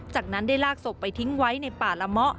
จากนั้นได้ลากศพไปทิ้งไว้ในป่าละเมาะ